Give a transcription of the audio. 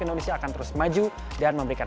indonesia akan terus maju dan memberikan